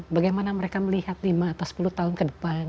bagaimana mereka melihat lima atau sepuluh tahun kedepannya